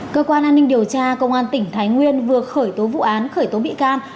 cơ quan an ninh điều tra công an tỉnh thái nguyên vừa khởi tố vụ án khởi tố bị can